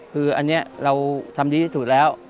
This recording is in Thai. คืออันนี้เราทำดีที่สุดแล้ว